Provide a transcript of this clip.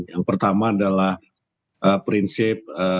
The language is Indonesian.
yang pertama adalah prinsip